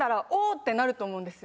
ってなると思うんですよ。